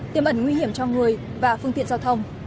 tiêm ẩn nguy hiểm cho người và phương tiện giao thông